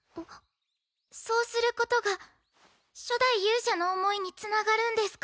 そうすることが初代勇者の思いにつながるんですか？